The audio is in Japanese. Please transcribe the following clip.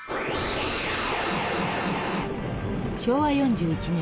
昭和４１年。